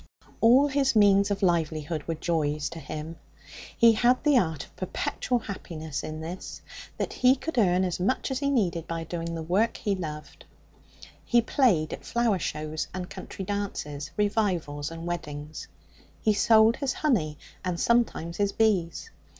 All his means of livelihood were joys to him. He had the art of perpetual happiness in this, that he could earn as much as he needed by doing the work he loved. He played at flower shows and country dances, revivals and weddings. He sold his honey, and sometimes his bees.